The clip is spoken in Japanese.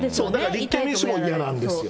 立憲民主も嫌なんですよ。